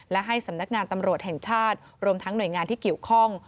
และให้สำนักงานตำรวจแห่งชาติรวมทั้งหน่วยงานที่เกี่ยวข้อง